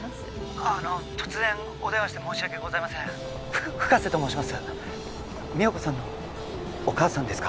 ☎あの突然お電話して☎申し訳ございません深瀬と申します美穂子さんのお母さんですか？